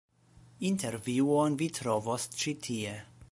Intervjuon vi trovos ĉi tie.